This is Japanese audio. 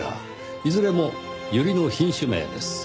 いずれもユリの品種名です。